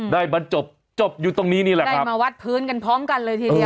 บรรจบจบอยู่ตรงนี้นี่แหละครับได้มาวัดพื้นกันพร้อมกันเลยทีเดียว